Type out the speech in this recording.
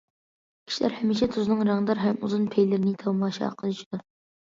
كىشىلەر ھەمىشە توزنىڭ رەڭدار ھەم ئۇزۇن پەيلىرىنى تاماشا قىلىشىدۇ.